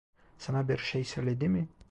Sana bir şey söyledi mi?